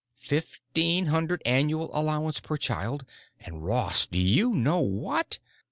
Fifteen hundred annual allowance per child. And, Ross, do you know what?